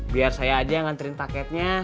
biar saya aja yang nganterin paketnya